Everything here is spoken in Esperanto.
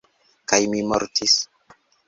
Kaj mi mortis.